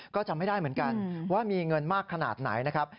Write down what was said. ก็จำไม่ได้เหมือนกันว่ามีเงินมากขนาดไหนนะครับ